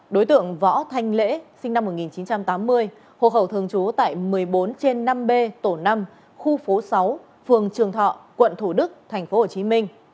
đối tượng võ thanh lễ sinh năm một nghìn chín trăm tám mươi hộ khẩu thường trú tại một mươi bốn trên năm b tổ năm khu phố sáu phường trường thọ quận thủ đức tp hcm